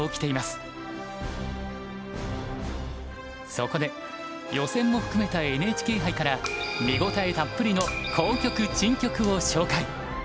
そこで予選も含めたＮＨＫ杯から見応えたっぷりの好局珍局を紹介。